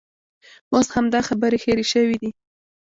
اوس همدا خبرې هېرې شوې دي.